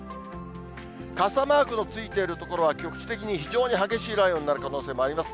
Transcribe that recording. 傘マークのついている所は局地的に非常に激しい雷雨になる可能性もあります。